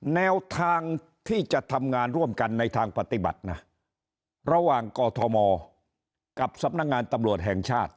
แนวทางที่จะทำงานร่วมกันในทางปฏิบัตินะระหว่างกอทมกับสำนักงานตำรวจแห่งชาติ